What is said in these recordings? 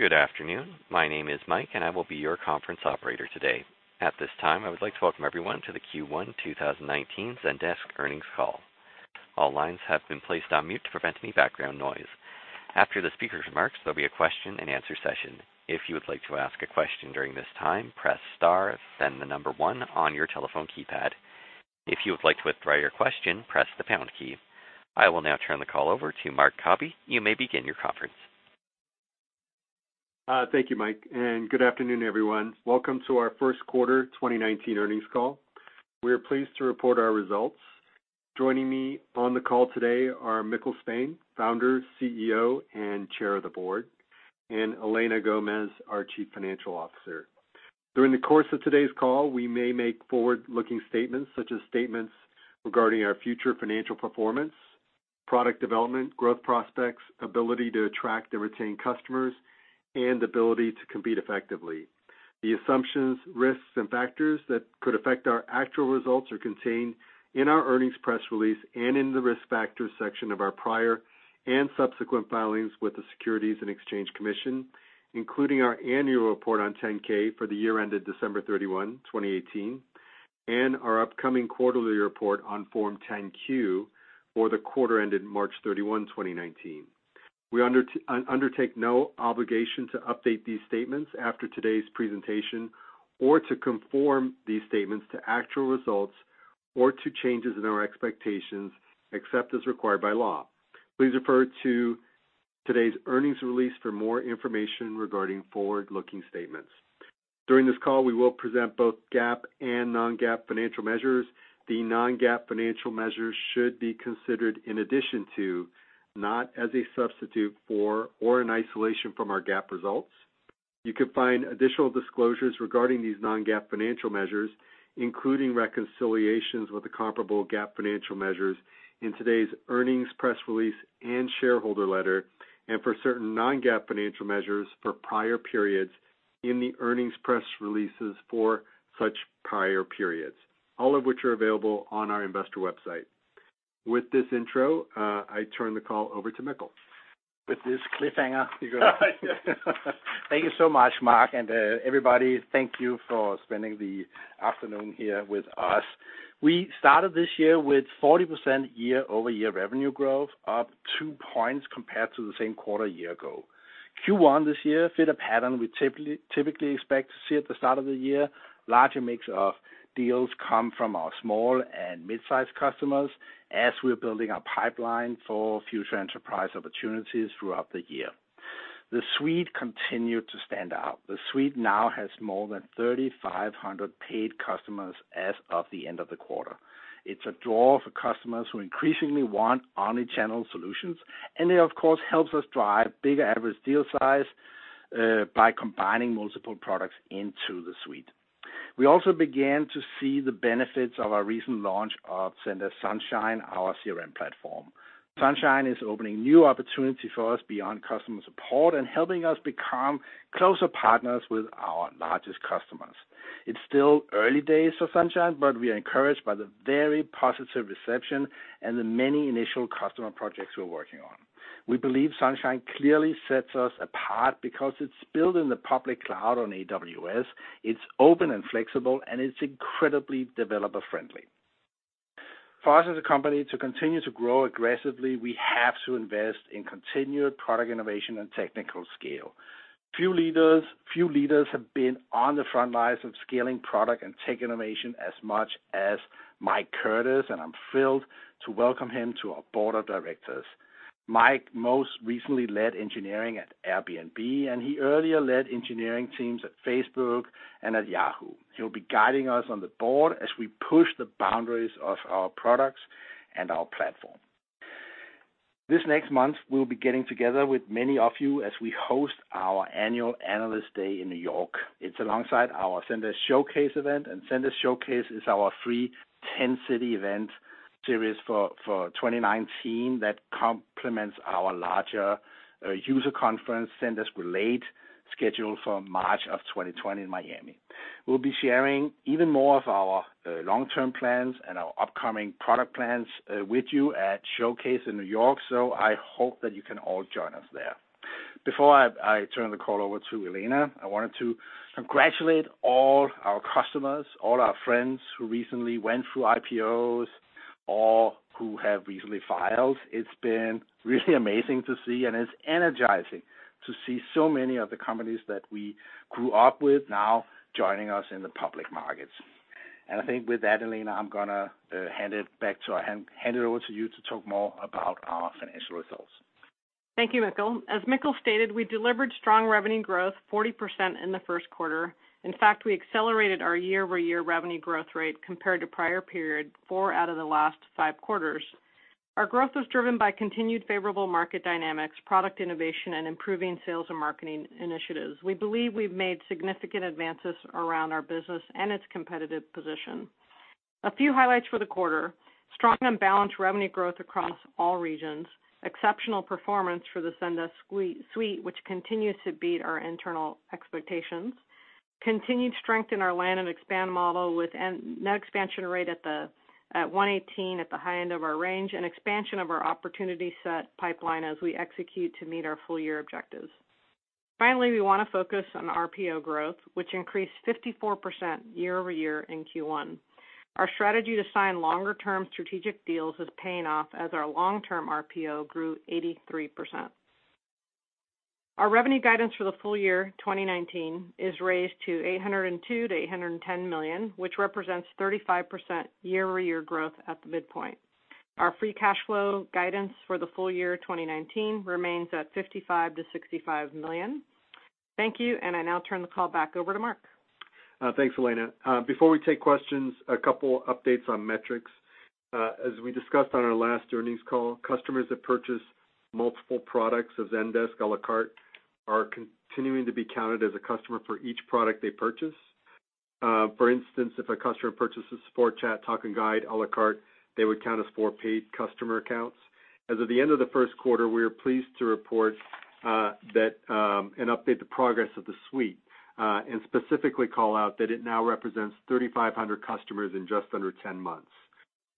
Good afternoon. My name is Mike, and I will be your conference operator today. At this time, I would like to welcome everyone to the Q1 2019 Zendesk earnings call. All lines have been placed on mute to prevent any background noise. After the speaker's remarks, there'll be a question and answer session. If you would like to ask a question during this time, press star, then the number one on your telephone keypad. If you would like to withdraw your question, press the pound key. I will now turn the call over to Marc Cabi. You may begin your conference. Thank you, Mike, and good afternoon, everyone. Welcome to our first quarter 2019 earnings call. We are pleased to report our results. Joining me on the call today are Mikkel Svane, Founder, CEO, and Chair of the Board, and Elena Gomez, our Chief Financial Officer. During the course of today's call, we may make forward-looking statements such as statements regarding our future financial performance, product development, growth prospects, ability to attract and retain customers, and ability to compete effectively. The assumptions, risks, and factors that could affect our actual results are contained in our earnings press release and in the risk factors section of our prior and subsequent filings with the Securities and Exchange Commission, including our annual report on Form 10-K for the year ended December 31, 2018, and our upcoming quarterly report on Form 10-Q for the quarter ended March 31st, 2019. We undertake no obligation to update these statements after today's presentation or to conform these statements to actual results or to changes in our expectations, except as required by law. Please refer to today's earnings release for more information regarding forward-looking statements. During this call, we will present both GAAP and non-GAAP financial measures. The non-GAAP financial measures should be considered in addition to, not as a substitute for or in isolation from our GAAP results. You can find additional disclosures regarding these non-GAAP financial measures, including reconciliations with the comparable GAAP financial measures in today's earnings press release and shareholder letter, and for certain non-GAAP financial measures for prior periods in the earnings press releases for such prior periods. All of which are available on our investor website. With this intro, I turn the call over to Mikkel. With this cliffhanger you got. Thank you so much, Marc, and everybody, thank you for spending the afternoon here with us. We started this year with 40% YoY revenue growth, up two points compared to the same quarter a year ago. Q1 this year fit a pattern we typically expect to see at the start of the year. Larger mix of deals come from our small and mid-size customers as we're building a pipeline for future enterprise opportunities throughout the year. The Suite continued to stand out. The Suite now has more than 3,500 paid customers as of the end of the quarter. It's a draw for customers who increasingly want omni-channel solutions, and it, of course, helps us drive bigger average deal size, by combining multiple products into the Suite. We also began to see the benefits of our recent launch of Zendesk Sunshine, our CRM platform. Sunshine is opening new opportunities for us beyond customer support and helping us become closer partners with our largest customers. It's still early days for Sunshine, but we are encouraged by the very positive reception and the many initial customer projects we're working on. We believe Sunshine clearly sets us apart because it's built in the public cloud on AWS, it's open and flexible, and it's incredibly developer-friendly. For us as a company to continue to grow aggressively, we have to invest in continued product innovation and technical scale. Few leaders have been on the front lines of scaling product and tech innovation as much as Michael Curtis, and I'm thrilled to welcome him to our board of directors. Mike most recently led engineering at Airbnb, and he earlier led engineering teams at Facebook and at Yahoo. He'll be guiding us on the board as we push the boundaries of our products and our platform. This next month, we'll be getting together with many of you as we host our annual Analyst Day in New York. It's alongside our Zendesk Showcase event. Zendesk Showcase is our free 10-city event series for 2019 that complements our larger user conference, Zendesk Relate, scheduled for March of 2020 in Miami. We'll be sharing even more of our long-term plans and our upcoming product plans with you at Showcase in New York. I hope that you can all join us there. Before I turn the call over to Elena, I wanted to congratulate all our customers, all our friends who recently went through IPOs or who have recently filed. It's been really amazing to see. It's energizing to see so many of the companies that we grew up with now joining us in the public markets. I think with that, Elena, I'm going to hand it over to you to talk more about our financial results. Thank you, Mikkel. As Mikkel stated, we delivered strong revenue growth, 40% in the first quarter. In fact, we accelerated our YoY revenue growth rate compared to prior period four out of the last five quarters. Our growth was driven by continued favorable market dynamics, product innovation, and improving sales and marketing initiatives. We believe we've made significant advances around our business and its competitive position. A few highlights for the quarter. Strong and balanced revenue growth across all regions. Exceptional performance for the Zendesk Suite, which continues to beat our internal expectations. Continued strength in our land and expand model with net expansion rate at 118 at the high end of our range. Expansion of our opportunity set pipeline as we execute to meet our full-year objectives. Finally, we want to focus on RPO growth, which increased 54% YoY in Q1. Our strategy to sign longer-term strategic deals is paying off as our long-term RPO grew 83%. Our revenue guidance for the full year 2019 is raised to $802 million-$810 million, which represents 35% YoY growth at the midpoint. Our free cash flow guidance for the full year 2019 remains at $55 million-$65 million. Thank you, and I now turn the call back over to Marc. Thanks, Elena. Before we take questions, a couple updates on metrics. As we discussed on our last earnings call, customers that purchase multiple products of Zendesk a la carte are continuing to be counted as a customer for each product they purchase. For instance, if a customer purchases Support, Chat, Talk, and Guide a la carte, they would count as four paid customer accounts. As of the end of the first quarter, we are pleased to report that and update the progress of the Suite, and specifically call out that it now represents 3,500 customers in just under 10 months.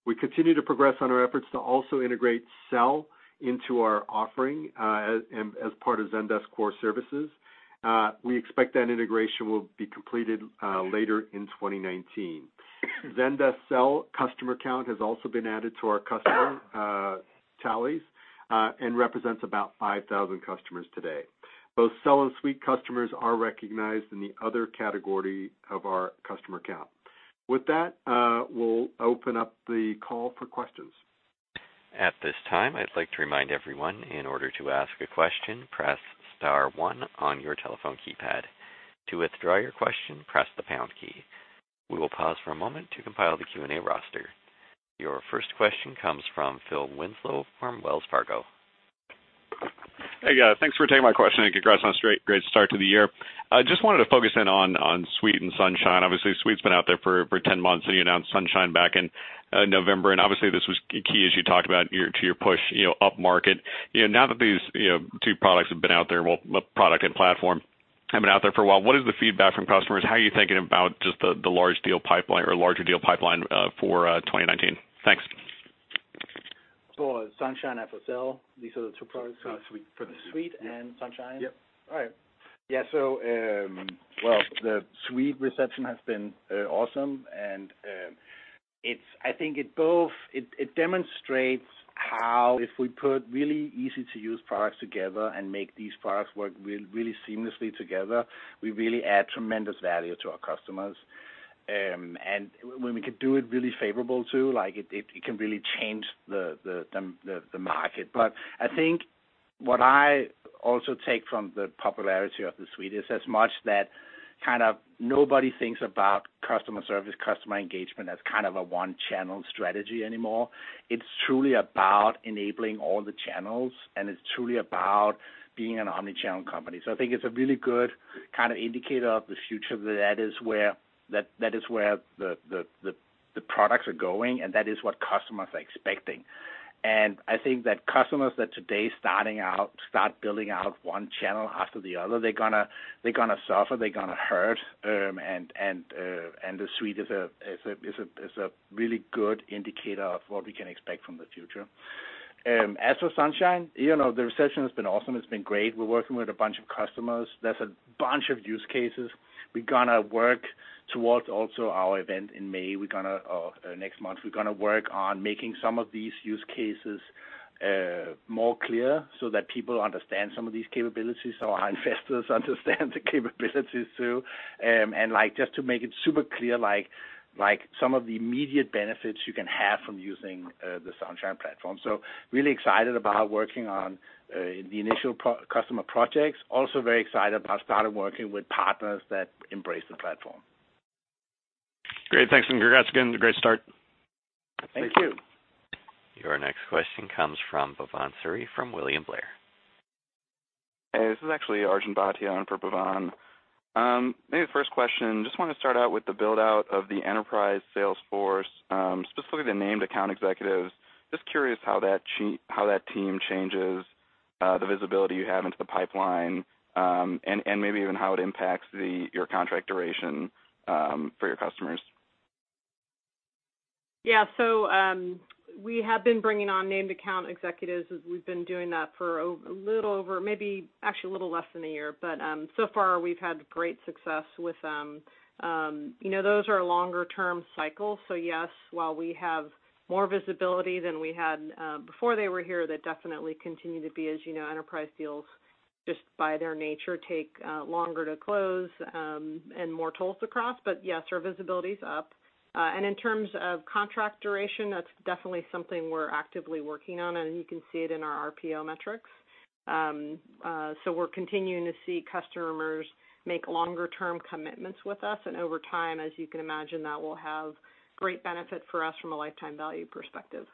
We continue to progress on our efforts to also integrate Sell into our offering, as part of Zendesk core services. We expect that integration will be completed later in 2019. Zendesk Sell customer count has also been added to our customer tallies and represents about 5,000 customers today. Both Sell and Suite customers are recognized in the other category of our customer count. With that, we'll open up the call for questions. At this time, I'd like to remind everyone, in order to ask a question, press star one on your telephone keypad. To withdraw your question, press the hash key. We will pause for a moment to compile the Q&A roster. Your first question comes from Philip Winslow from Wells Fargo. Hey, guys. Thanks for taking my question, and congrats on a great start to the year. Just wanted to focus in on Suite and Sunshine. Obviously, Suite's been out there for 10 months, and you announced Sunshine back in November, and obviously this was key as you talked about to your push upmarket. Now that these two products have been out there, well, product and platform, have been out there for a while, what is the feedback from customers? How are you thinking about just the large deal pipeline or larger deal pipeline for 2019? Thanks. For Sunshine as a sell, these are the two products. Suite. For the Suite and Sunshine? Yep. All right. Yeah, so, well, the Suite reception has been awesome, and I think it demonstrates how if we put really easy-to-use products together and make these products work really seamlessly together, we really add tremendous value to our customers. When we can do it really favorable, too, it can really change the market. I think what I also take from the popularity of the Suite is as much that kind of nobody thinks about customer service, customer engagement as kind of a one-channel strategy anymore. It's truly about enabling all the channels, and it's truly about being an omnichannel company. I think it's a really good kind of indicator of the future. That is where the products are going, and that is what customers are expecting. I think that customers that today start building out one channel after the other, they're going to suffer, they're going to hurt, and the Suite is a really good indicator of what we can expect from the future. As for Sunshine, the reception has been awesome. It's been great. We're working with a bunch of customers. There's a bunch of use cases. We're going to work towards also our event in May. Next month, we're going to work on making some of these use cases more clear so that people understand some of these capabilities. Our investors understand the capabilities, too. Just to make it super clear, some of the immediate benefits you can have from using the Sunshine platform. Really excited about working on the initial customer projects. Also very excited about starting working with partners that embrace the platform. Great. Thanks, congrats again. Great start. Thank you. Thank you. Your next question comes from Bhavan Suri from William Blair. Hey, this is actually Arjun Bhatia in for Bhavan. Maybe the first question, just want to start out with the build-out of the enterprise sales force, specifically the named account executives. Just curious how that team changes the visibility you have into the pipeline, and maybe even how it impacts your contract duration for your customers. Yeah. We have been bringing on named account executives as we've been doing that for a little over, maybe actually a little less than a year. So far, we've had great success with them. Those are longer-term cycles. Yes, while we have more visibility than we had before they were here, that definitely continue to be, as you know, enterprise deals just by their nature take longer to close and more tolls to cross. Yes, our visibility's up. In terms of contract duration, that's definitely something we're actively working on, and you can see it in our RPO metrics. We're continuing to see customers make longer-term commitments with us, and over time, as you can imagine, that will have great benefit for us from a lifetime value perspective.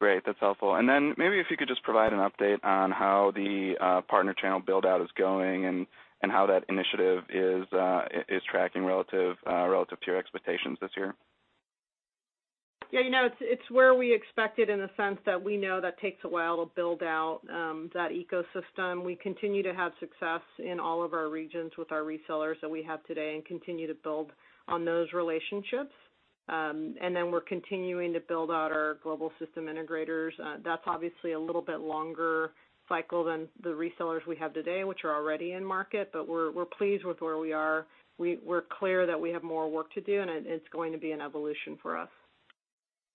Great. That's helpful. Maybe if you could just provide an update on how the partner channel build-out is going and how that initiative is tracking relative to your expectations this year. Yeah, it's where we expected in the sense that we know that takes a while to build out that ecosystem. We continue to have success in all of our regions with our resellers that we have today and continue to build on those relationships. We're continuing to build out our global system integrators. That's obviously a little bit longer cycle than the resellers we have today, which are already in market, but we're pleased with where we are. We're clear that we have more work to do, and it's going to be an evolution for us.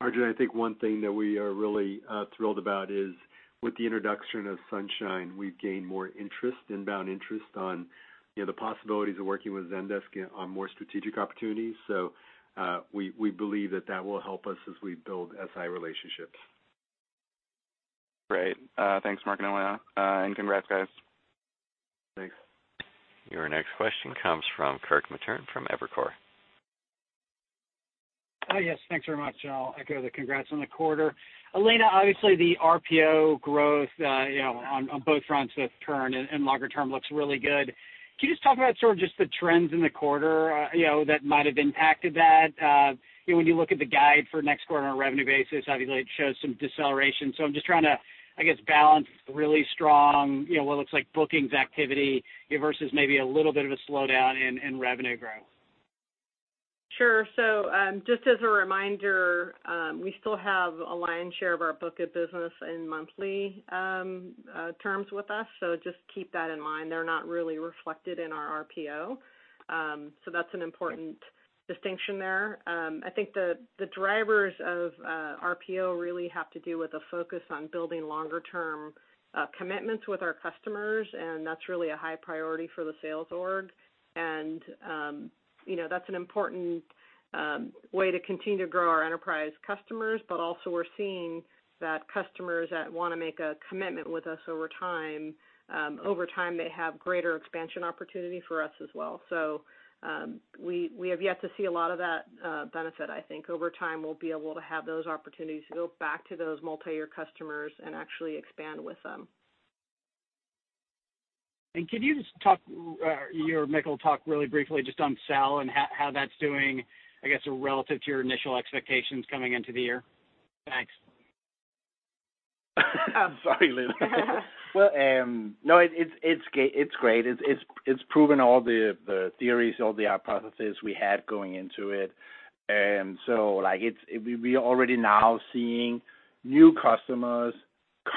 Arjun, I think one thing that we are really thrilled about is with the introduction of Sunshine, we've gained more interest, inbound interest on the possibilities of working with Zendesk on more strategic opportunities. We believe that that will help us as we build SI relationships. Great. Thanks, Marc and Elena. Congrats guys. Thanks. Your next question comes from Kirk Materne from Evercore. Yes, thanks very much. I'll echo the congrats on the quarter. Elena, obviously the RPO growth on both fronts with churn and longer term looks really good. Can you just talk about sort of just the trends in the quarter that might have impacted that? When you look at the guide for next quarter on a revenue basis, obviously it shows some deceleration. I'm just trying to, I guess, balance the really strong, what looks like bookings activity versus maybe a little bit of a slowdown in revenue growth. Sure. Just as a reminder, we still have a lion's share of our book of business in monthly terms with us. Just keep that in mind. They're not really reflected in our RPO. That's an important distinction there. I think the drivers of RPO really have to do with a focus on building longer-term commitments with our customers. That's really a high priority for the sales org. That's an important way to continue to grow our enterprise customers. Also, we're seeing that customers that want to make a commitment with us over time, they have greater expansion opportunity for us as well. We have yet to see a lot of that benefit. I think over time, we'll be able to have those opportunities to go back to those multi-year customers and actually expand with them. Could you just talk, you or Mikkel talk really briefly just on Sell and how that's doing, I guess, relative to your initial expectations coming into the year? Thanks. I'm sorry, Elena. Well, no, it's great. It's proven all the theories, all the hypotheses we had going into it. We are already now seeing new customers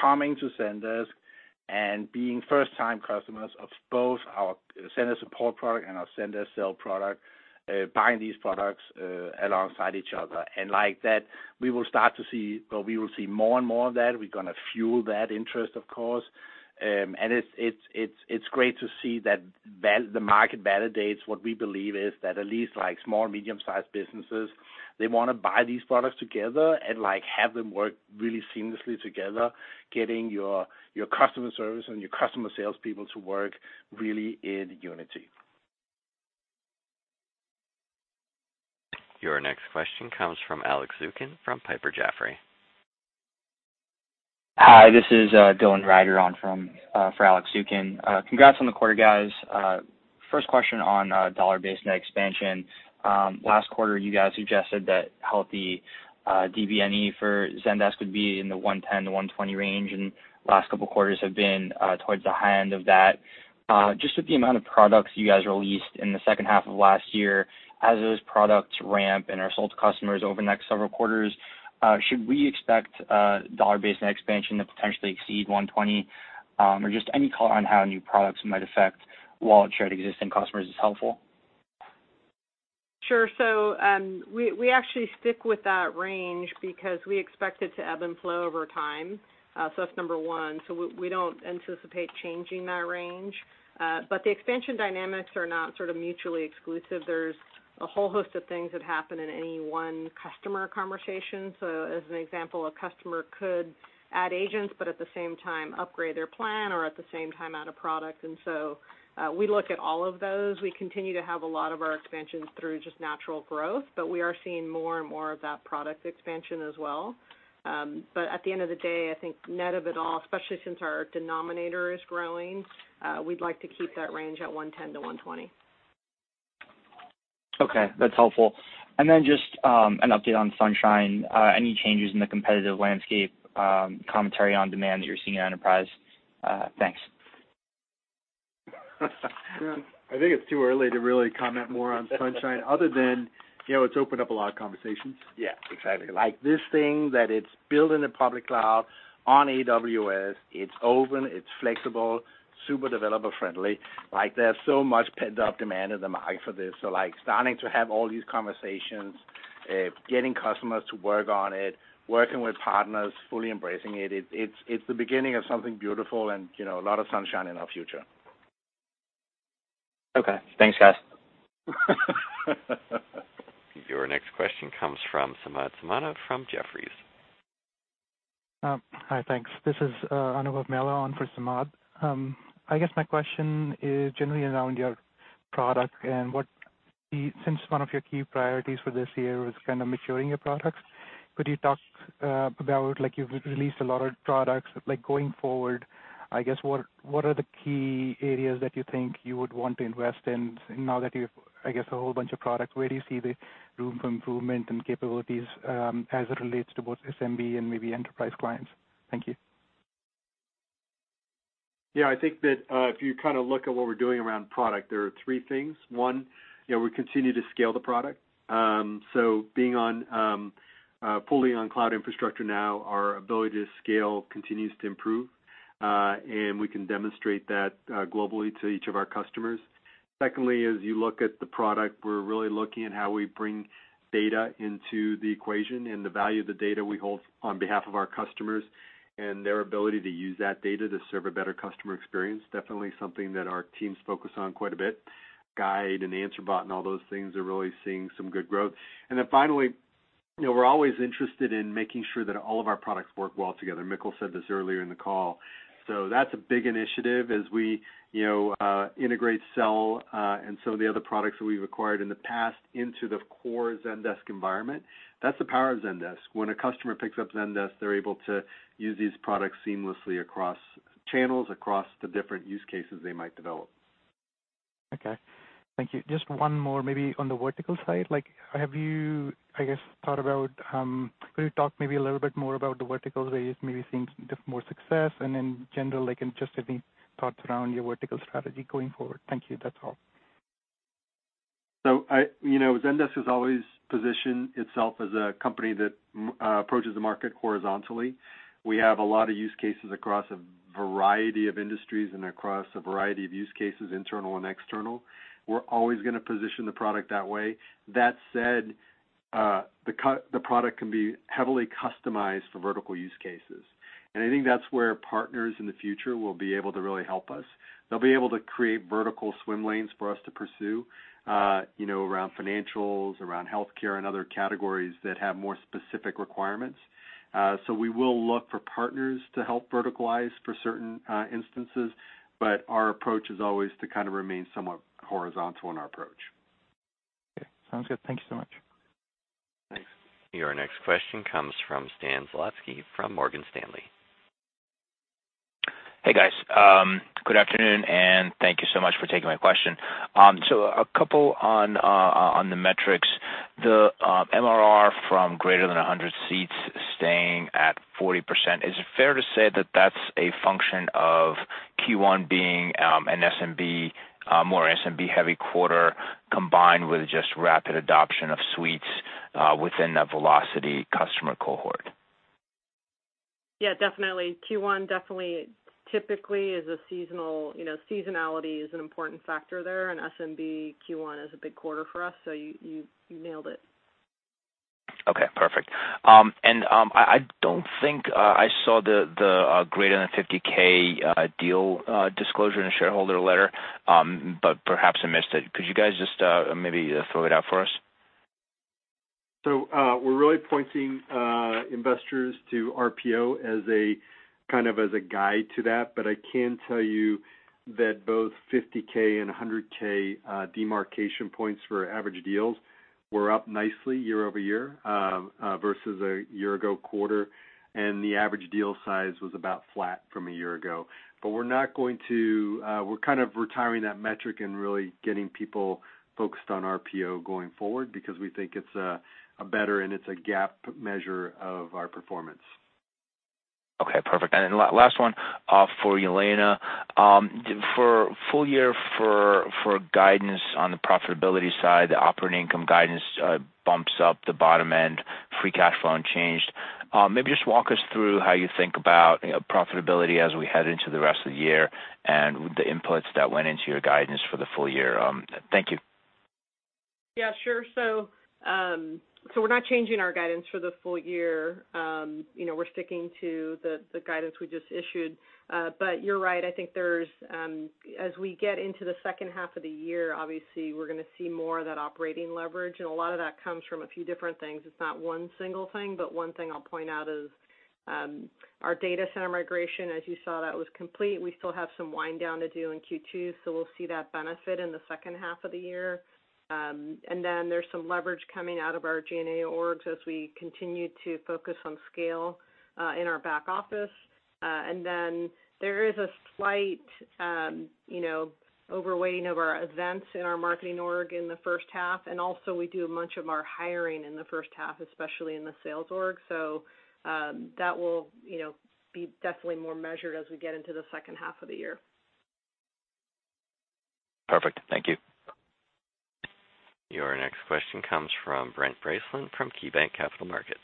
coming to Zendesk and being first-time customers of both our Zendesk Support product and our Zendesk Sell product, buying these products alongside each other. Like that, we will start to see, well, we will see more and more of that. We're going to fuel that interest, of course. It's great to see that the market validates what we believe is that at least small or medium sized businesses, they want to buy these products together and have them work really seamlessly together, getting your customer service and your customer salespeople to work really in unity. Your next question comes from Alex Zukin from Piper Jaffray. Hi, this is Dylan Reider on for Alex Zukin. Congrats on the quarter, guys. First question on dollar-based net expansion. Last quarter, you guys suggested that healthy DBNE for Zendesk would be in the 110-120 range, and last couple quarters have been towards the high end of that. Just with the amount of products you guys released in the second half of last year, as those products ramp and are sold to customers over the next several quarters, should we expect dollar-based net expansion to potentially exceed 120? Just any color on how new products might affect wallet share to existing customers is helpful. Sure. We actually stick with that range because we expect it to ebb and flow over time. That's number one. We don't anticipate changing that range. The expansion dynamics are not sort of mutually exclusive. There's a whole host of things that happen in any one customer conversation. As an example, a customer could add agents, but at the same time upgrade their plan or at the same time add a product. We look at all of those. We continue to have a lot of our expansions through just natural growth, but we are seeing more and more of that product expansion as well. At the end of the day, I think net of it all, especially since our denominator is growing, we'd like to keep that range at 110-120. Okay, that's helpful. Just an update on Sunshine. Any changes in the competitive landscape, commentary on demand that you're seeing in enterprise? Thanks. I think it's too early to really comment more on Sunshine other than it's opened up a lot of conversations. Yeah, exactly. Like this thing that it's built in the public cloud on AWS, it's open, it's flexible, super developer friendly. There's so much pent-up demand in the market for this. Starting to have all these conversations, getting customers to work on it, working with partners, fully embracing it's the beginning of something beautiful and a lot of sunshine in our future. Okay, thanks guys. Your next question comes from Samad Samana from Jefferies. Hi, thanks. This is Anubhav Mehra on for Samad Samana. I guess my question is generally around your product and since one of your key priorities for this year was kind of maturing your products, could you talk about, you've released a lot of products. Going forward, I guess what are the key areas that you think you would want to invest in now that you've, I guess, a whole bunch of products? Where do you see the room for improvement and capabilities as it relates to both SMB and maybe enterprise clients? Thank you. Yeah, I think that if you look at what we're doing around product, there are three things. One, we continue to scale the product. Being fully on cloud infrastructure now, our ability to scale continues to improve, and we can demonstrate that globally to each of our customers. Secondly, as you look at the product, we're really looking at how we bring data into the equation, and the value of the data we hold on behalf of our customers, and their ability to use that data to serve a better customer experience, definitely something that our teams focus on quite a bit. Guide and Answer Bot, all those things are really seeing some good growth. Finally, we're always interested in making sure that all of our products work well together. Mikkel Svane said this earlier in the call. That's a big initiative as we integrate Sell and some of the other products that we've acquired in the past into the core Zendesk environment. That's the power of Zendesk. When a customer picks up Zendesk, they're able to use these products seamlessly across channels, across the different use cases they might develop. Okay. Thank you. Just one more, maybe on the vertical side. Have you, I guess, thought about, could you talk maybe a little bit more about the verticals where you're maybe seeing more success? In general, just any thoughts around your vertical strategy going forward? Thank you. That's all. Zendesk has always positioned itself as a company that approaches the market horizontally. We have a lot of use cases across a variety of industries and across a variety of use cases, internal and external. We're always going to position the product that way. That said, the product can be heavily customized for vertical use cases. I think that's where partners in the future will be able to really help us. They'll be able to create vertical swim lanes for us to pursue around financials, around healthcare, and other categories that have more specific requirements. We will look for partners to help verticalize for certain instances, but our approach is always to kind of remain somewhat horizontal in our approach. Okay. Sounds good. Thank you so much. Thanks. Your next question comes from Stan Zlotsky from Morgan Stanley. Hey, guys. Good afternoon, and thank you so much for taking my question. A couple on the metrics. The MRR from greater than 100 seats staying at 40%, is it fair to say that that's a function of Q1 being a more SMB heavy quarter, combined with just rapid adoption of Suite within the Velocity customer cohort? Yeah, definitely. Q1 definitely typically is a seasonality is an important factor there, and SMB Q1 is a big quarter for us. You nailed it. Okay, perfect. I don't think I saw the greater than 50K deal disclosure in the shareholder letter, but perhaps I missed it. Could you guys just maybe throw it out for us? We're really pointing investors to RPO kind of as a guide to that. I can tell you that both 50K and 100K demarcation points for average deals were up nicely YoY versus a year ago quarter, and the average deal size was about flat from a year ago. We're kind of retiring that metric and really getting people focused on RPO going forward because we think it's better and it's a GAAP measure of our performance. Okay, perfect. Then last one for Elena. For full year for guidance on the profitability side, the operating income guidance bumps up the bottom end, free cash flow unchanged. Maybe just walk us through how you think about profitability as we head into the rest of the year and the inputs that went into your guidance for the full year. Thank you. Yeah, sure. We're not changing our guidance for the full year. We're sticking to the guidance we just issued. You're right. I think as we get into the second half of the year, obviously, we're going to see more of that operating leverage, and a lot of that comes from a few different things. It's not one single thing, but one thing I'll point out is our data center migration, as you saw, that was complete. We still have some wind down to do in Q2, so we'll see that benefit in the second half of the year. There's some leverage coming out of our G&A orgs as we continue to focus on scale in our back office. There is a slight overweighting of our events in our marketing org in the first half. We do much of our hiring in the first half, especially in the sales org. That will be definitely more measured as we get into the second half of the year. Perfect. Thank you. Your next question comes from Brent Bracelin from KeyBanc Capital Markets.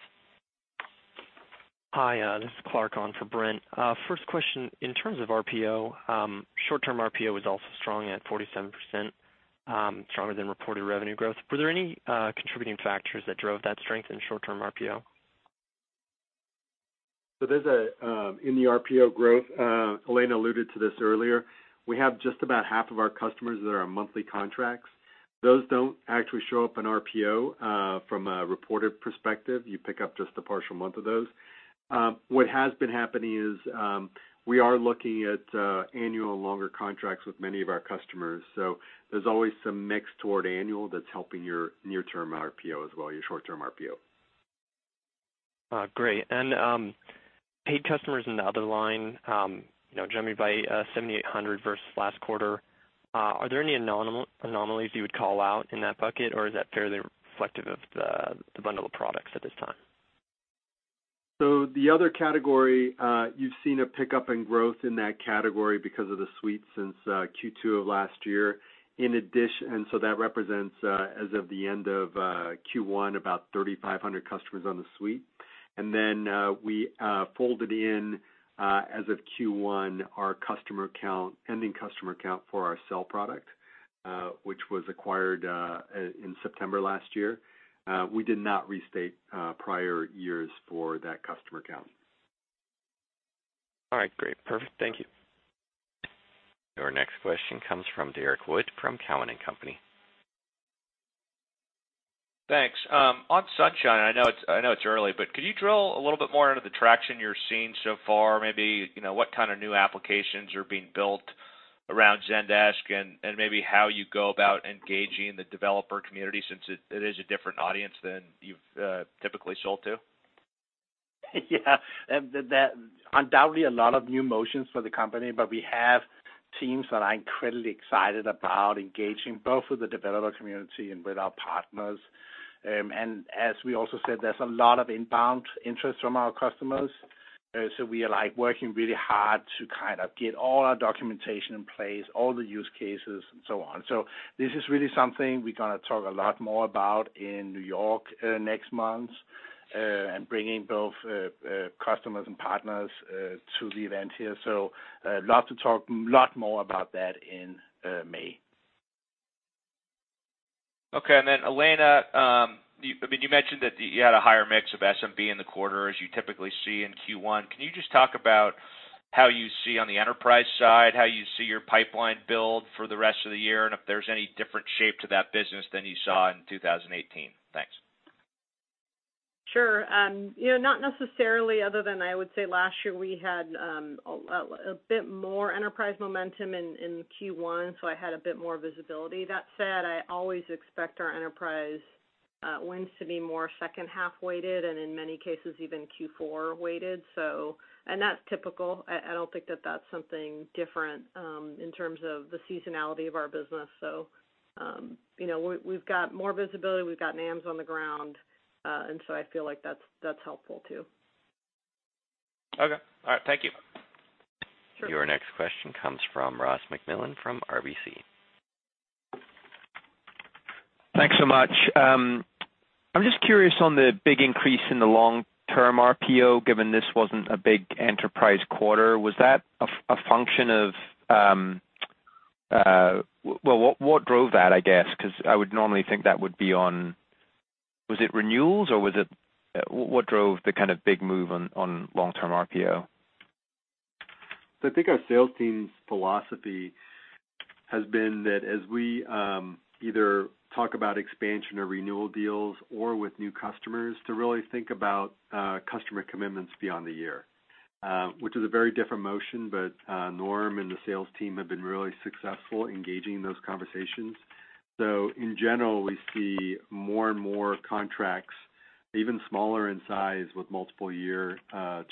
Hi. This is Park on for Brent. First question, in terms of RPO, short-term RPO was also strong at 47%, stronger than reported revenue growth. Were there any contributing factors that drove that strength in short-term RPO? In the RPO growth, Elena alluded to this earlier, we have just about half of our customers that are on monthly contracts. Those don't actually show up in RPO from a reported perspective. You pick up just a partial month of those. What has been happening is we are looking at annual and longer contracts with many of our customers. There's always some mix toward annual that's helping your near-term RPO as well, your short-term RPO. Great. Paid customers in the other line jumped by 7,800 versus last quarter. Are there any anomalies you would call out in that bucket, or is that fairly reflective of the bundle of products at this time? The other category, you've seen a pickup in growth in that category because of the Suite since Q2 of last year. That represents, as of the end of Q1, about 3,500 customers on the Suite. We folded in, as of Q1, our ending customer count for our Sell product, which was acquired in September last year. We did not restate prior years for that customer count. All right, great. Perfect. Thank you. Your next question comes from Derrick Wood from Cowen and Company. Thanks. On Sunshine, I know it's early, but could you drill a little bit more into the traction you're seeing so far? Maybe, what kind of new applications are being built around Zendesk and maybe how you go about engaging the developer community since it is a different audience than you've typically sold to? Yeah. Undoubtedly, a lot of new motions for the company, but we have teams that are incredibly excited about engaging both with the developer community and with our partners. As we also said, there's a lot of inbound interest from our customers. We are working really hard to kind of get all our documentation in place, all the use cases, and so on. This is really something we're going to talk a lot more about in New York next month, and bringing both customers and partners to the event here. Love to talk a lot more about that in May. Okay. Elena, you mentioned that you had a higher mix of SMB in the quarter as you typically see in Q1. Can you just talk about how you see on the enterprise side, how you see your pipeline build for the rest of the year, and if there's any different shape to that business than you saw in 2018? Thanks. Sure. Not necessarily other than I would say last year we had a bit more enterprise momentum in Q1, so I had a bit more visibility. That said, I always expect our enterprise wins to be more second-half weighted and in many cases even Q4 weighted. That's typical. I don't think that that's something different in terms of the seasonality of our business. We've got more visibility, we've got NAMS on the ground. I feel like that's helpful, too. Okay. All right, thank you. Sure. Your next question comes from Ross MacMillan from RBC. Thanks so much. I'm just curious on the big increase in the long-term RPO, given this wasn't a big enterprise quarter. What drove that, I guess? Was it renewals, or what drove the kind of big move on long-term RPO? I think our sales team's philosophy has been that as we either talk about expansion or renewal deals or with new customers, to really think about customer commitments beyond the year. Which is a very different motion, but Norm and the sales team have been really successful engaging those conversations. In general, we see more and more contracts, even smaller in size, with multiple year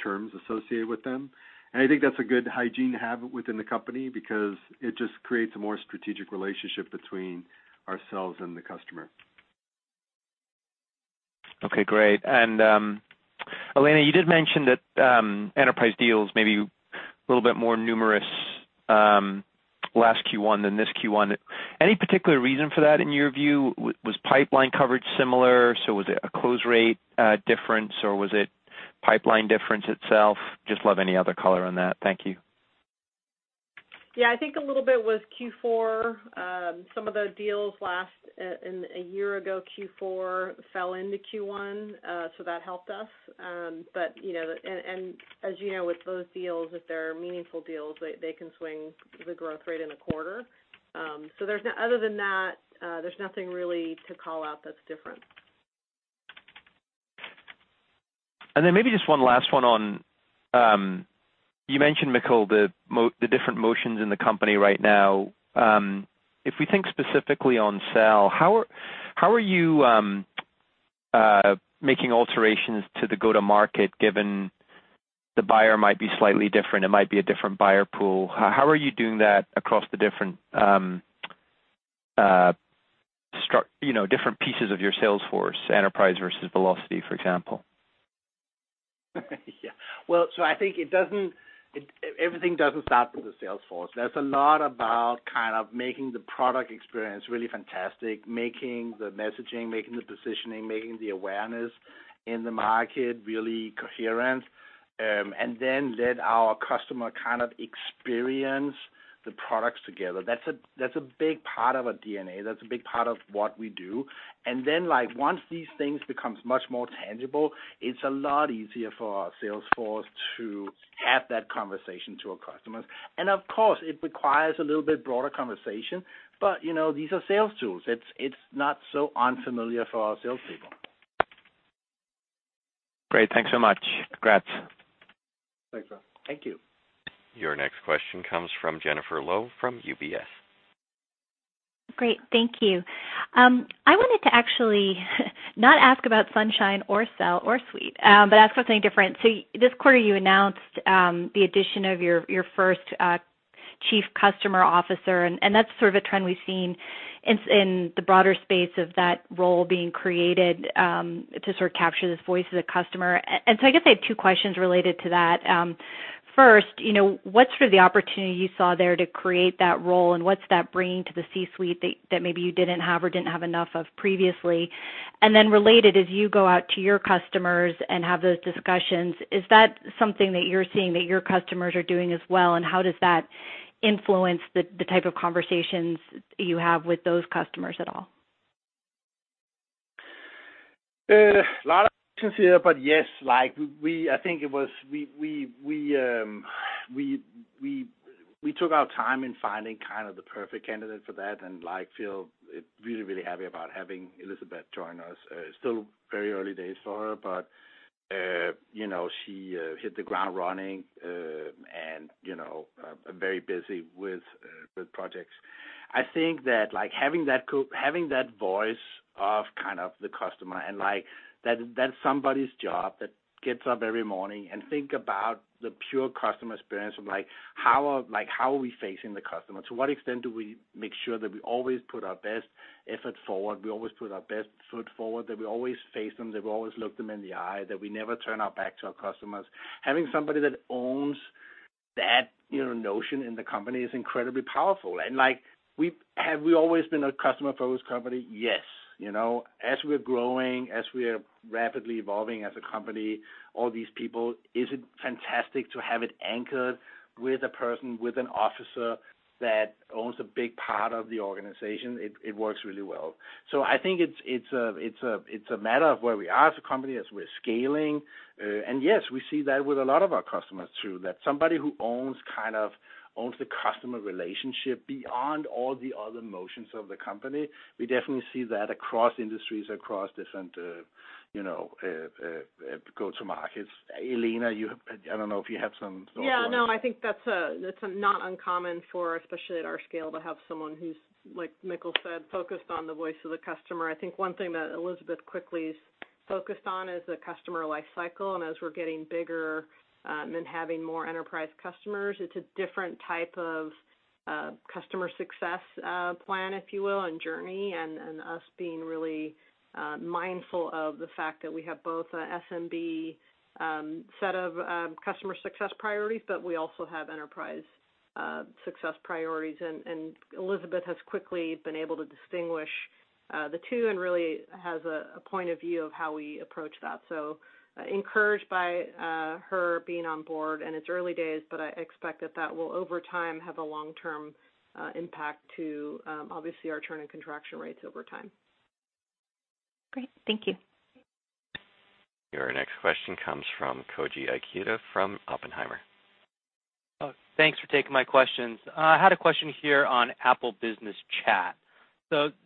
terms associated with them. I think that's a good hygiene habit within the company because it just creates a more strategic relationship between ourselves and the customer. Okay, great. Elena, you did mention that enterprise deals may be a little bit more numerous last Q1 than this Q1. Any particular reason for that in your view? Was pipeline coverage similar? Was it a close rate difference, or was it pipeline difference itself? Just love any other color on that. Thank you. Yeah, I think a little bit was Q4. Some of those deals a year ago, Q4 fell into Q1, so that helped us. As you know, with those deals, if they're meaningful deals, they can swing the growth rate in a quarter. Other than that, there's nothing really to call out that's different. Maybe just one last one on, you mentioned, Mikkel, the different motions in the company right now. If we think specifically on Sell, how are you making alterations to the go-to-market given the buyer might be slightly different, it might be a different buyer pool? How are you doing that across the different pieces of your sales force, enterprise versus velocity, for example? Yeah. Well, I think everything doesn't start with the sales force. There's a lot about kind of making the product experience really fantastic, making the messaging, making the positioning, making the awareness in the market really coherent, then let our customer kind of experience the products together. That's a big part of our DNA. That's a big part of what we do. Then once these things becomes much more tangible, it's a lot easier for our sales force to have that conversation to our customers. Of course, it requires a little bit broader conversation, but these are sales tools. It's not so unfamiliar for our salespeople. Great. Thanks so much. Congrats. Thanks, Ross. Thank you. Your next question comes from Jennifer Lowe from UBS. Great. Thank you. I wanted to actually not ask about Sunshine or Sell or Suite, but ask something different. This quarter, you announced the addition of your first. Chief Customer Officer, that's sort of a trend we've seen in the broader space of that role being created, to sort of capture this voice of the customer. I guess I have two questions related to that. First, what's sort of the opportunity you saw there to create that role, and what's that bringing to the C-suite that maybe you didn't have or didn't have enough of previously? Related, as you go out to your customers and have those discussions, is that something that you're seeing that your customers are doing as well, and how does that influence the type of conversations you have with those customers at all? A lot of questions here. Yes. I think we took our time in finding kind of the perfect candidate for that, and feel really happy about having Elisabeth join us. Still very early days for her, but she hit the ground running, and very busy with projects. I think that having that voice of the customer, and that's somebody's job that gets up every morning and think about the pure customer experience of how are we facing the customer? To what extent do we make sure that we always put our best effort forward, we always put our best foot forward, that we always face them, that we always look them in the eye, that we never turn our back to our customers. Having somebody that owns that notion in the company is incredibly powerful. Have we always been a customer-focused company? Yes. As we're growing, as we are rapidly evolving as a company, all these people, is it fantastic to have it anchored with a person, with an officer that owns a big part of the organization? It works really well. I think it's a matter of where we are as a company, as we're scaling. Yes, we see that with a lot of our customers, too, that somebody who kind of owns the customer relationship beyond all the other motions of the company. We definitely see that across industries, across different go-to markets. Elena, I don't know if you have some thoughts on that. No. I think that's not uncommon for, especially at our scale, to have someone who's, like Mikkel said, focused on the voice of the customer. I think one thing that Elisabeth quickly focused on is the customer life cycle, and as we're getting bigger, and having more enterprise customers, it's a different type of customer success plan, if you will, and journey, and us being really mindful of the fact that we have both an SMB set of customer success priorities, but we also have enterprise success priorities. Elizabeth has quickly been able to distinguish the two and really has a point of view of how we approach that. Encouraged by her being on board, and it's early days, but I expect that that will, over time, have a long-term impact to, obviously, our churn and contraction rates over time. Great. Thank you. Your next question comes from Koji Ikeda from Oppenheimer. Thanks for taking my questions. I had a question here on Apple Business Chat.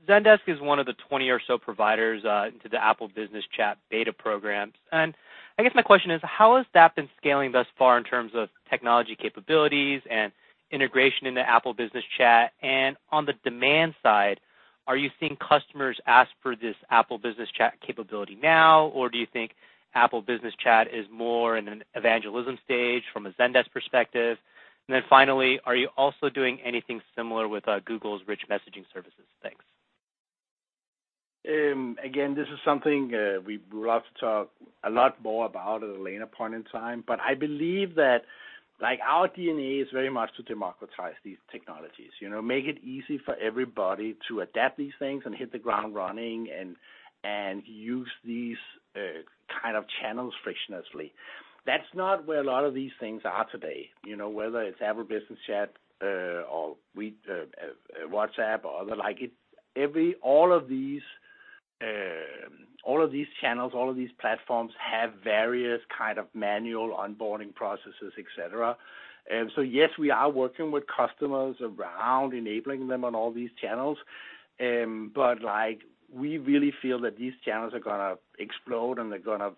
Zendesk is one of the 20 or so providers into the Apple Business Chat beta programs. I guess my question is: how has that been scaling thus far in terms of technology capabilities and integration into Apple Business Chat? On the demand side, are you seeing customers ask for this Apple Business Chat capability now, or do you think Apple Business Chat is more in an evangelism stage from a Zendesk perspective? Then finally, are you also doing anything similar with Google's Rich Communication Services? Thanks. Again, this is something we would love to talk a lot more about at a later point in time, I believe that our DNA is very much to democratize these technologies. Make it easy for everybody to adapt these things and hit the ground running and use these kind of channels frictionlessly. That's not where a lot of these things are today. Whether it's Apple Business Chat, or WhatsApp, or other like it, all of these channels, all of these platforms have various kind of manual onboarding processes, et cetera. Yes, we are working with customers around enabling them on all these channels. We really feel that these channels are going to explode, and we're going to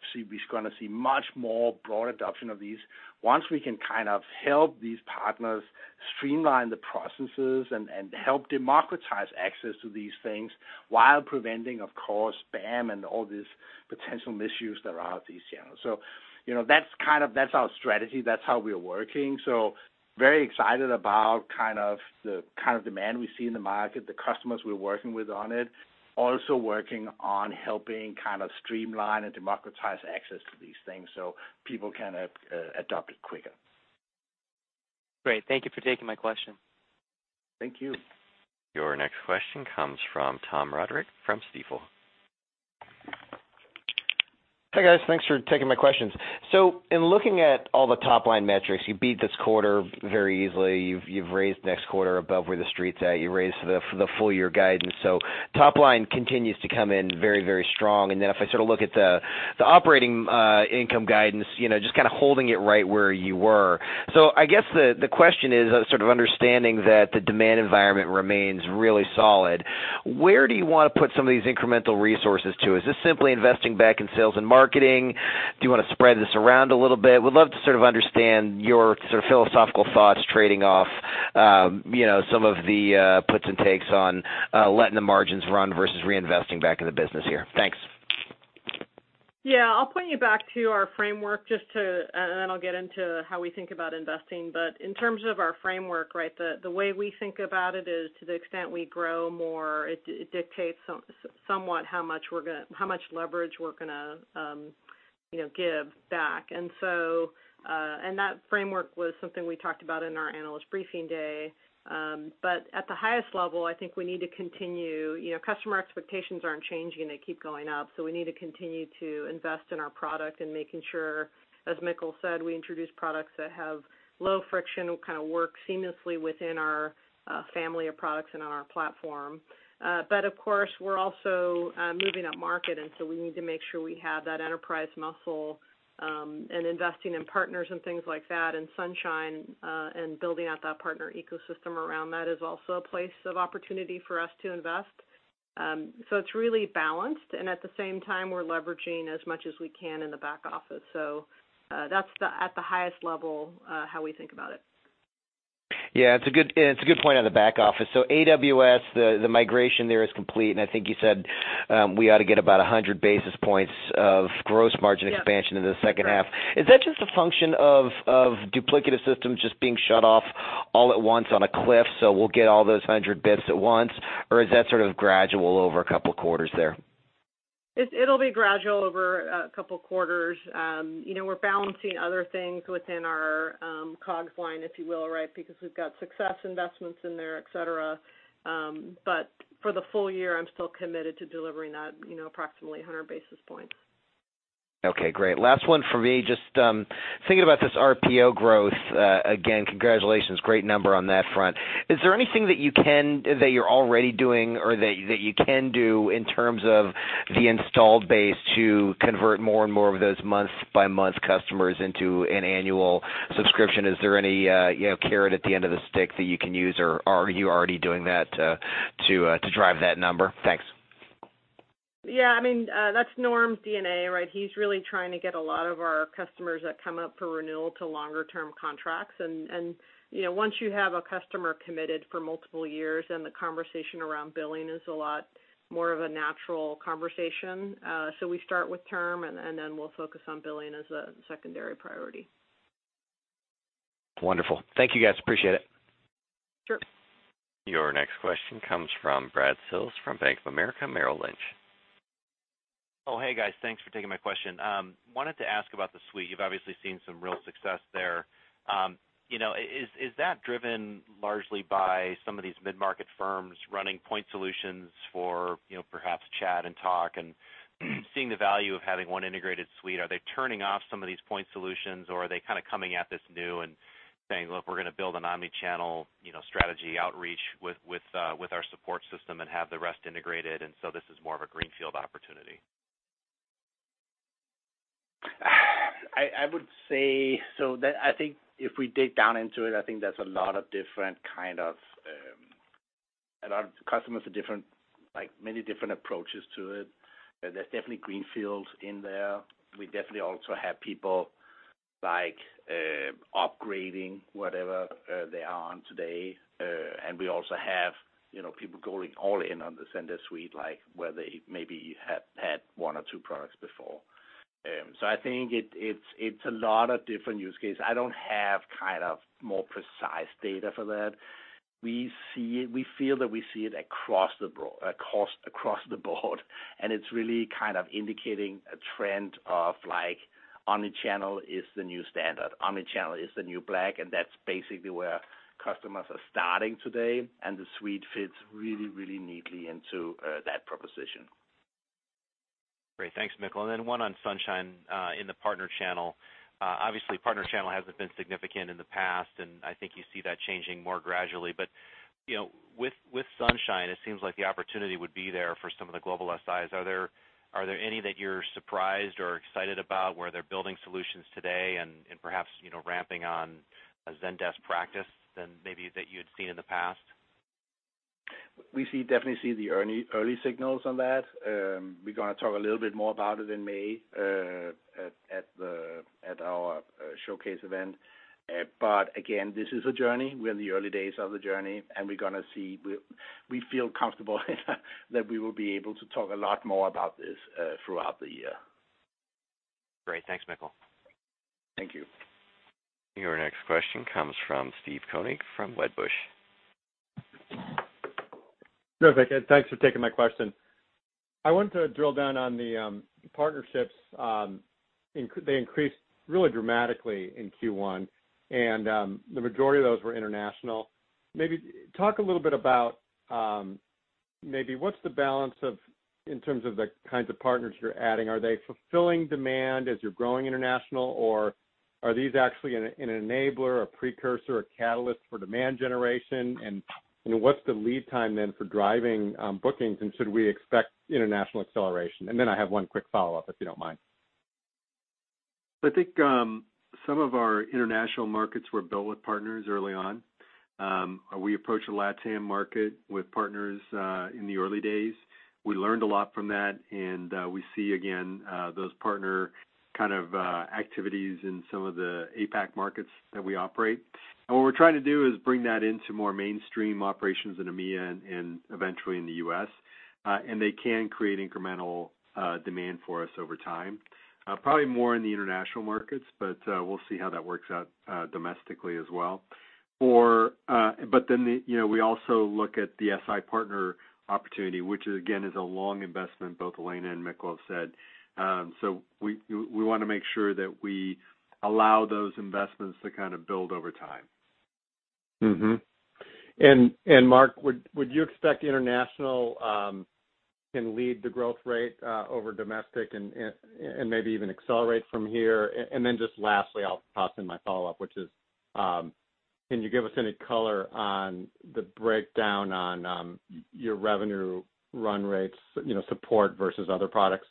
see much more broad adoption of these once we can kind of help these partners streamline the processes and help democratize access to these things while preventing, of course, spam and all these potential misuse there are with these channels. That's our strategy. That's how we are working. Very excited about the kind of demand we see in the market, the customers we're working with on it. Also working on helping kind of streamline and democratize access to these things so people can adopt it quicker. Great. Thank you for taking my question. Thank you. Your next question comes from Tom Roderick from Stifel. Hi, guys. Thanks for taking my questions. In looking at all the top-line metrics, you beat this quarter very easily. You've raised next quarter above where the street's at. You raised the full-year guidance. Top line continues to come in very strong. If I sort of look at the operating income guidance, just kind of holding it right where you were. I guess the question is sort of understanding that the demand environment remains really solid, where do you want to put some of these incremental resources to? Is this simply investing back in sales and marketing? Do you want to spread this around a little bit? Would love to sort of understand your sort of philosophical thoughts trading off some of the puts and takes on letting the margins run versus reinvesting back in the business here. Thanks. Yeah. I'll point you back to our framework, and then I'll get into how we think about investing. In terms of our framework, the way we think about it is to the extent we grow more, it dictates somewhat how much leverage we're going to give back. That framework was something we talked about in our analyst briefing day. At the highest level, I think we need to continue. Customer expectations aren't changing. They keep going up. We need to continue to invest in our product and making sure, as Mikkel said, we introduce products that have low friction, kind of work seamlessly within our family of products and on our platform. Of course, we're also moving up market, and so we need to make sure we have that enterprise muscle, and investing in partners and things like that, and Sunshine, and building out that partner ecosystem around that is also a place of opportunity for us to invest. It's really balanced, and at the same time, we're leveraging as much as we can in the back office. That's at the highest level how we think about it. Yeah, it's a good point on the back office. AWS, the migration there is complete, and I think you said we ought to get about 100 basis points of gross margin expansion- Yes. Into the second half. Is that just a function of duplicative systems just being shut off all at once on a cliff, so we'll get all those 100 basis points at once, or is that sort of gradual over a couple of quarters there? It'll be gradual over a couple of quarters. We're balancing other things within our COGS line, if you will, because we've got success investments in there, et cetera. For the full year, I'm still committed to delivering that approximately 100 basis points. Okay, great. Last one for me. Just thinking about this RPO growth. Again, congratulations, great number on that front. Is there anything that you're already doing or that you can do in terms of the installed base to convert more and more of those month-by-month customers into an annual subscription? Is there any carrot at the end of the stick that you can use, or are you already doing that to drive that number? Thanks. Yeah. That's Norm's DNA, right? He's really trying to get a lot of our customers that come up for renewal to longer-term contracts. Once you have a customer committed for multiple years, the conversation around billing is a lot more of a natural conversation. We start with term, we'll focus on billing as a secondary priority. Wonderful. Thank you, guys. Appreciate it. Sure. Your next question comes from Brad Sills from Bank of America Merrill Lynch. Oh, hey, guys. Thanks for taking my question. Wanted to ask about the Suite. You've obviously seen some real success there. Is that driven largely by some of these mid-market firms running point solutions for perhaps Chat and Talk and seeing the value of having one integrated Suite? Are they turning off some of these point solutions, or are they kind of coming at this new and saying, "Look, we're going to build an omni-channel strategy outreach with our Support system and have the rest integrated, this is more of a greenfield opportunity"? I would say, I think if we dig down into it, I think there's A lot of customers are different, like many different approaches to it. There's definitely greenfields in there. We definitely also have people upgrading whatever they are on today. We also have people going all in on the Zendesk Suite, like where they maybe had one or two products before. I think it's a lot of different use cases. I don't have kind of more precise data for that. We feel that we see it across the board, and it's really kind of indicating a trend of like omni-channel is the new standard. Omni-channel is the new black, that's basically where customers are starting today, and the Suite fits really neatly into that proposition. Great. Thanks, Mikkel. Then one on Sunshine in the partner channel. Obviously, partner channel hasn't been significant in the past, and I think you see that changing more gradually. With Sunshine, it seems like the opportunity would be there for some of the global SIs. Are there any that you're surprised or excited about where they're building solutions today and perhaps ramping on a Zendesk practice than maybe that you had seen in the past? We definitely see the early signals on that. We're going to talk a little bit more about it in May at our Zendesk Showcase event. Again, this is a journey. We're in the early days of the journey, we're going to see. We feel comfortable that we will be able to talk a lot more about this throughout the year. Great. Thanks, Mikkel. Thank you. Your next question comes from Steve Koenig from Wedbush. No biggie. Thanks for taking my question. I wanted to drill down on the partnerships. They increased really dramatically in Q1. The majority of those were international. Talk a little bit about what's the balance in terms of the kinds of partners you're adding. Are they fulfilling demand as you're growing international, or are these actually an enabler, a precursor, a catalyst for demand generation? What's the lead time then for driving bookings, and should we expect international acceleration? I have one quick follow-up, if you don't mind. I think some of our international markets were built with partners early on. We approached the LatAm market with partners in the early days. We learned a lot from that. We see, again, those partner kind of activities in some of the APAC markets that we operate. What we're trying to do is bring that into more mainstream operations in EMEA and eventually in the U.S. They can create incremental demand for us over time. Probably more in the international markets. We'll see how that works out domestically as well. We also look at the SI partner opportunity, which again is a long investment, both Elena and Mikkel have said. We want to make sure that we allow those investments to kind of build over time. Marc, would you expect international can lead the growth rate over domestic and maybe even accelerate from here? Just lastly, I'll toss in my follow-up, which is, can you give us any color on the breakdown on your revenue run rates, Support versus other products?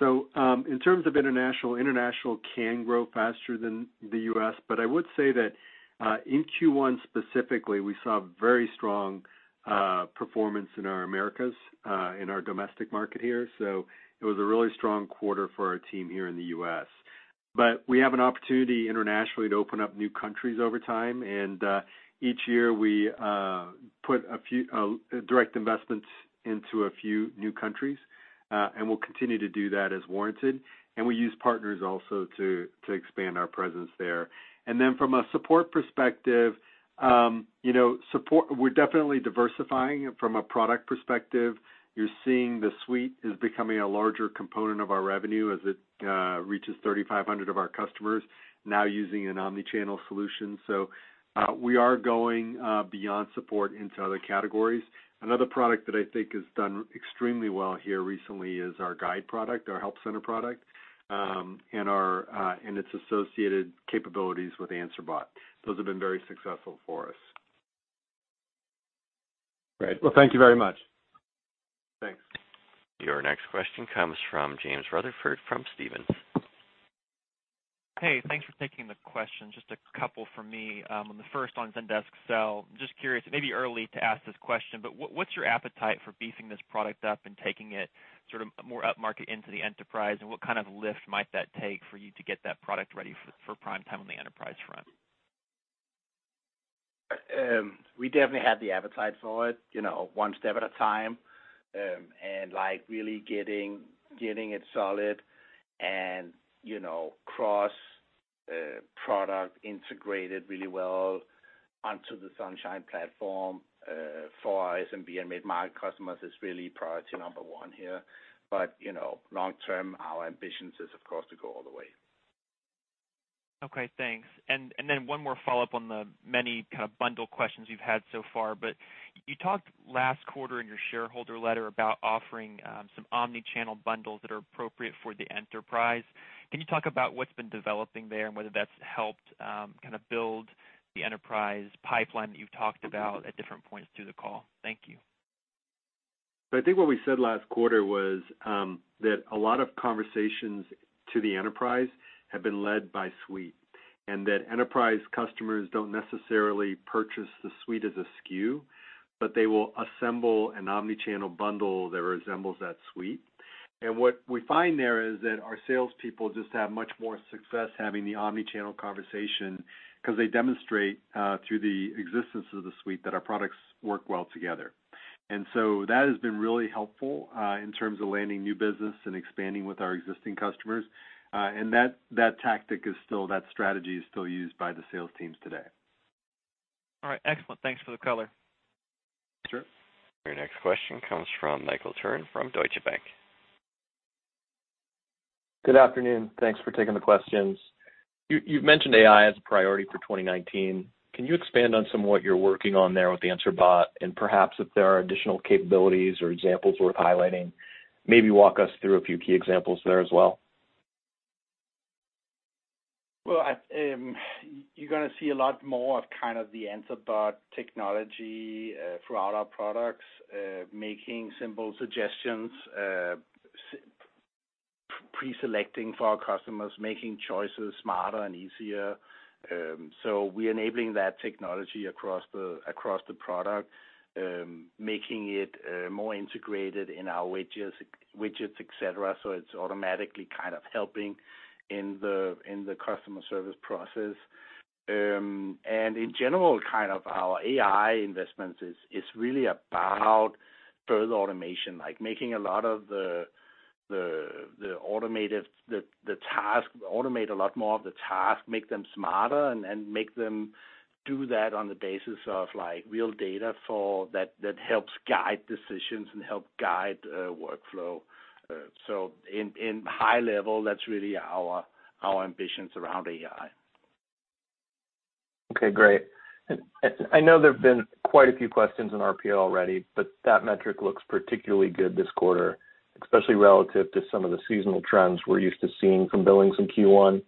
In terms of international can grow faster than the U.S. I would say that, in Q1 specifically, we saw very strong performance in our Americas, in our domestic market here. It was a really strong quarter for our team here in the U.S. We have an opportunity internationally to open up new countries over time, and, each year, we put direct investments into a few new countries. We'll continue to do that as warranted. We use partners also to expand our presence there. From a Support perspective, we're definitely diversifying from a product perspective. You're seeing the Suite is becoming a larger component of our revenue as it reaches 3,500 of our customers now using an omnichannel solution. We are going beyond Support into other categories. Another product that I think has done extremely well here recently is our Guide product, our help center product, and its associated capabilities with Answer Bot. Those have been very successful for us. Right. Well, thank you very much. Thanks. Your next question comes from James Rutherford from Stephens. Hey, thanks for taking the question. Just a couple from me. The first on Zendesk Sell. Just curious, it may be early to ask this question, but what's your appetite for beefing this product up and taking it sort of more upmarket into the enterprise? What kind of lift might that take for you to get that product ready for prime time on the enterprise front? We definitely have the appetite for it, one step at a time, and really getting it solid and cross-product integrated really well onto the Sunshine platform. For our SMB and mid-market customers, it's really priority number one here. Long term, our ambition is, of course, to go all the way. Okay, thanks. One more follow-up on the many kind of bundle questions you've had so far, but you talked last quarter in your shareholder letter about offering some omnichannel bundles that are appropriate for the enterprise. Can you talk about what's been developing there and whether that's helped kind of build the enterprise pipeline that you've talked about at different points through the call? Thank you. I think what we said last quarter was that a lot of conversations to the enterprise have been led by Suite, and that enterprise customers don't necessarily purchase the Suite as a SKU, but they will assemble an omnichannel bundle that resembles that Suite. What we find there is that our salespeople just have much more success having the omnichannel conversation because they demonstrate, through the existence of the Suite, that our products work well together. That has been really helpful in terms of landing new business and expanding with our existing customers. That strategy is still used by the sales teams today. All right. Excellent. Thanks for the color. Sure. Your next question comes from Michael Turrin from Deutsche Bank. Good afternoon. Thanks for taking the questions. You've mentioned AI as a priority for 2019. Can you expand on some of what you're working on there with Answer Bot? Perhaps if there are additional capabilities or examples worth highlighting, maybe walk us through a few key examples there as well. Well, you're going to see a lot more of kind of the Answer Bot technology throughout our products, making simple suggestions, pre-selecting for our customers, making choices smarter and easier. We're enabling that technology across the product, making it more integrated in our widgets, et cetera. It's automatically kind of helping in the customer service process. In general, kind of our AI investments is really about further automation, like making a lot more of the task, make them smarter, and make them do that on the basis of real data that helps guide decisions and help guide workflow. In high level, that's really our ambitions around AI. Okay, great. I know there have been quite a few questions on RPO already, that metric looks particularly good this quarter, especially relative to some of the seasonal trends we're used to seeing from billings in Q1.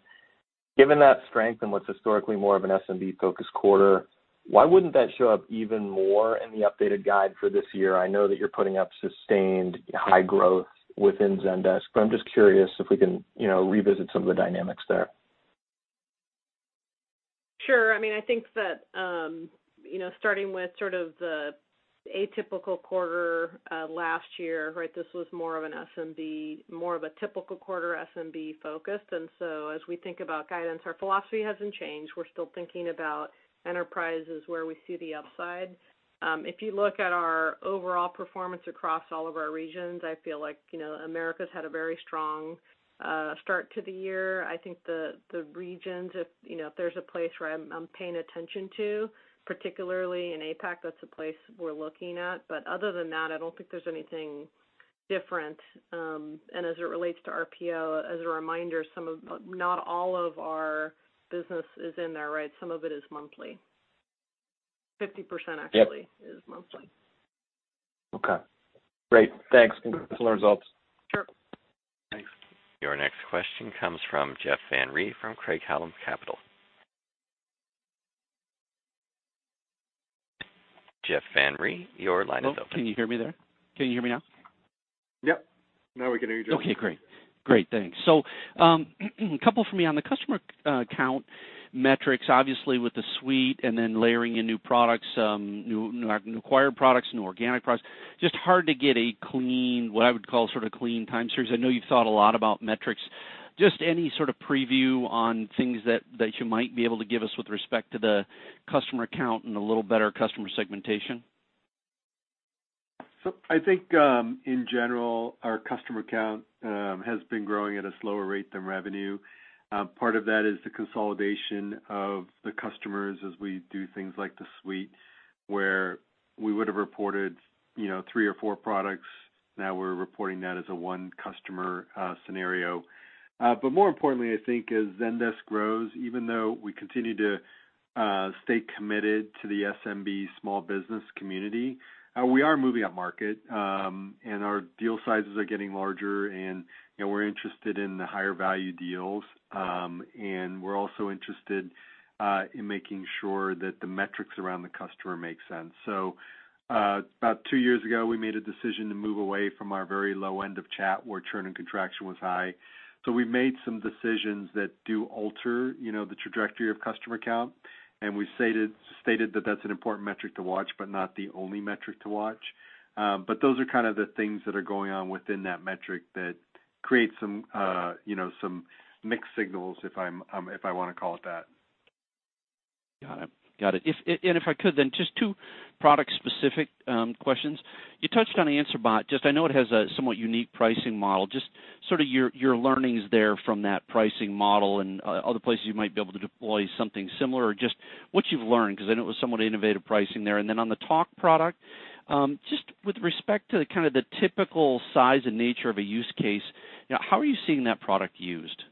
Given that strength in what's historically more of an SMB-focused quarter, why wouldn't that show up even more in the updated guide for this year? I know that you're putting up sustained high growth within Zendesk, I'm just curious if we can revisit some of the dynamics there. Sure. I think that starting with sort of the atypical quarter last year, right, this was more of a typical quarter SMB focused. As we think about guidance, our philosophy hasn't changed. We're still thinking about enterprises where we see the upside. If you look at our overall performance across all of our regions, I feel like Americas had a very strong start to the year. I think the regions, if there's a place where I'm paying attention to, particularly in APAC, that's a place we're looking at. Other than that, I don't think there's anything different. As it relates to RPO, as a reminder, not all of our business is in there, right? Some of it is monthly. 50% actually- Yep. is monthly. Okay, great. Thanks. Looking forward to the results. Sure. Thanks. Your next question comes from Jeff Van Rhee from Craig-Hallum Capital. Jeff Van Rhee, your line is open. Hello, can you hear me there? Can you hear me now? Yep. Now we can hear you, Jeff. Okay, great. Thanks. Couple for me on the customer count metrics, obviously with the Zendesk Suite and then layering in new products, new acquired products, new organic products, just hard to get what I would call sort of clean time series. I know you've thought a lot about metrics. Just any sort of preview on things that you might be able to give us with respect to the customer count and a little better customer segmentation? I think, in general, our customer count has been growing at a slower rate than revenue. Part of that is the consolidation of the customers as we do things like the Zendesk Suite, where we would've reported three or four products, now we're reporting that as a one customer scenario. More importantly, I think as Zendesk grows, even though we continue to stay committed to the SMB small business community, we are moving up market, and our deal sizes are getting larger, and we're interested in the higher value deals. We're also interested in making sure that the metrics around the customer make sense. About two years ago, we made a decision to move away from our very low end of Chat where churn and contraction was high. We've made some decisions that do alter the trajectory of customer count, and we stated that that's an important metric to watch, but not the only metric to watch. Those are kind of the things that are going on within that metric that create some mixed signals if I want to call it that. Got it. If I could then, just two product-specific questions. You touched on Answer Bot, just I know it has a somewhat unique pricing model, just sort of your learnings there from that pricing model and other places you might be able to deploy something similar or just what you've learned, because I know it was somewhat innovative pricing there. Then on the Talk product, just with respect to kind of the typical size and nature of a use case, how are you seeing that product used?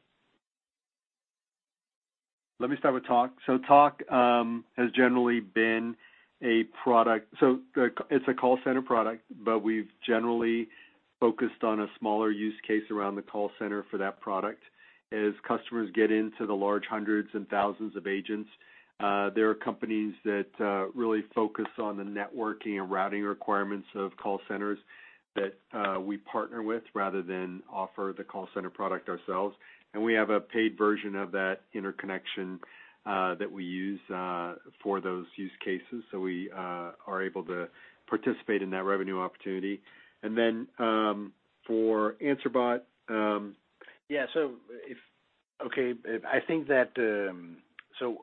Let me start with Talk. Talk has generally been a product. It's a call center product, but we've generally focused on a smaller use case around the call center for that product. As customers get into the large hundreds and thousands of agents, there are companies that really focus on the networking and routing requirements of call centers that we partner with rather than offer the call center product ourselves. We have a paid version of that interconnection, that we use for those use cases. We are able to participate in that revenue opportunity. Then, for Answer Bot. Yeah. Okay, I think that,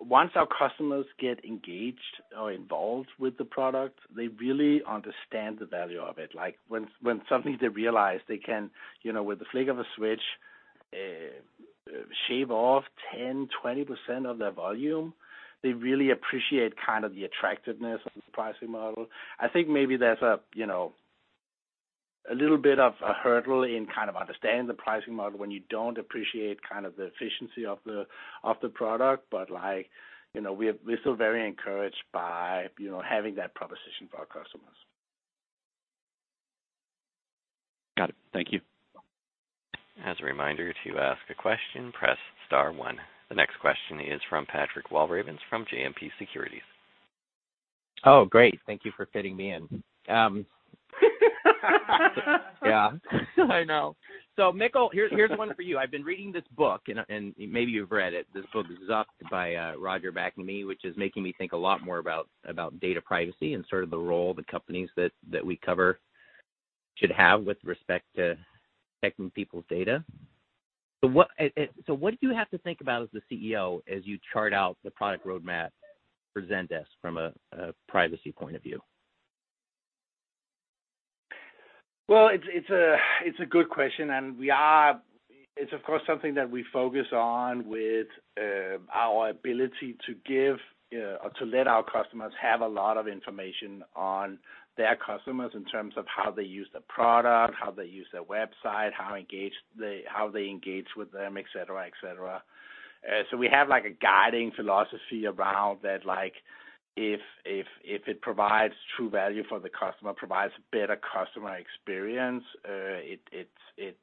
once our customers get engaged or involved with the product, they really understand the value of it. When something they realize they can, with the flick of a switch, shave off 10%, 20% of their volume, they really appreciate kind of the attractiveness of this pricing model. I think maybe there's a little bit of a hurdle in kind of understanding the pricing model when you don't appreciate kind of the efficiency of the product. We are still very encouraged by having that proposition for our customers. Got it. Thank you. As a reminder, to ask a question, press star one. The next question is from Patrick Walravens from JMP Securities. Oh, great. Thank you for fitting me in. Yeah. I know. Mikkel, here's one for you. I've been reading this book, and maybe you've read it, this book, "Zucked" by Roger McNamee, which is making me think a lot more about data privacy and sort of the role the companies that we cover should have with respect to protecting people's data. What do you have to think about as the CEO, as you chart out the product roadmap for Zendesk from a privacy point of view? Well, it's a good question. It's of course, something that we focus on with our ability to give or to let our customers have a lot of information on their customers in terms of how they use the product, how they use their website, how they engage with them, et cetera. We have like a guiding philosophy around that if it provides true value for the customer, provides better customer experience, it's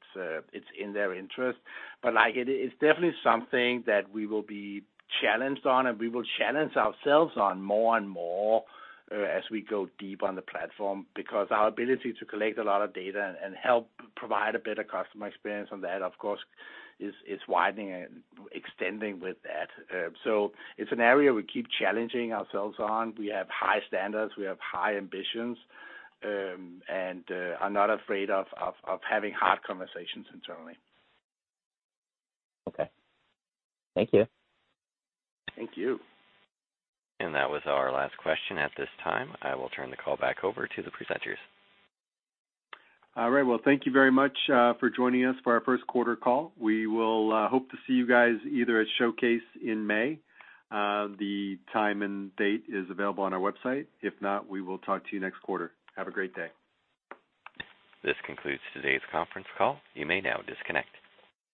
in their interest. It's definitely something that we will be challenged on, and we will challenge ourselves on more and more, as we go deep on the platform, because our ability to collect a lot of data and help provide a better customer experience on that, of course, is widening and extending with that. It's an area we keep challenging ourselves on. We have high standards, we have high ambitions, and are not afraid of having hard conversations internally. Okay. Thank you. Thank you. That was our last question at this time. I will turn the call back over to the presenters. All right, well, thank you very much for joining us for our first quarter call. We will hope to see you guys either at Showcase in May. The time and date is available on our website. If not, we will talk to you next quarter. Have a great day. This concludes today's conference call. You may now disconnect.